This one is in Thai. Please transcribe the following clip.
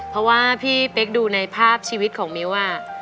เพราะว่าพี่เป๊กดูในภาพชีวิตของมิ้ว